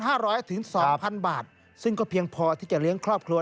ร้อยถึงสองพันบาทซึ่งก็เพียงพอที่จะเลี้ยงครอบครัว